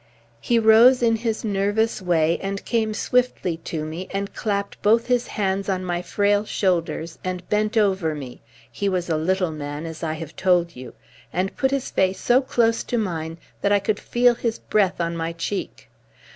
He rose in his nervous way and came swiftly to me and clapped both his hands on my frail shoulders and bent over me he was a little man, as I have told you and put his face so close to mine that I could feel his breath on my cheek.